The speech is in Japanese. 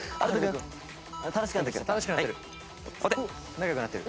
仲良くなってる。